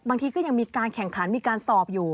บางทีก็ยังมีการแข่งขันมีการสอบอยู่